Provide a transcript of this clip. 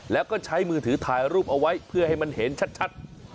แล้วก็ใช้มือถือถ่ายรูปเอาไว้เพื่อให้มันเห็นชัด